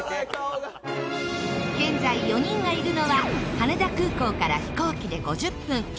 現在４人がいるのは羽田空港から飛行機で５０分。